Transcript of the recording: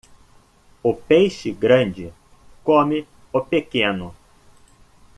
O peixe grande come o pequeno.